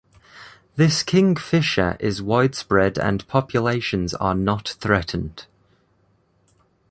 This kingfisher is widespread and populations are not threatened.